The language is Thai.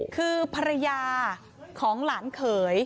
คือภรรยาของหลานเขย